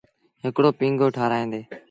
هڪڙو پيٚنگو ٺآرآيآندي۔